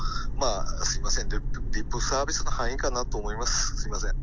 すみません、リップサービスの範囲かなと思います。